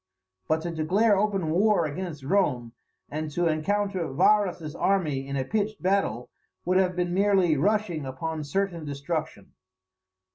But to declare open war against Rome, and to encounter Varus's army in a pitched battle, would have been merely rushing upon certain destruction.